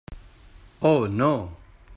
Oh no.